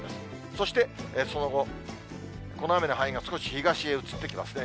そして、その後、この雨の範囲が少し東へ移ってきますね。